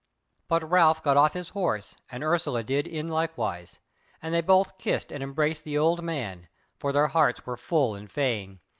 But Ralph got off his horse, and Ursula did in likewise, and they both kissed and embraced the old man, for their hearts were full and fain.